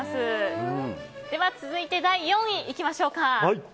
続いて第４位いきましょうか。